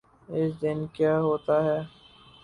اس دن کیا ہوتاہے۔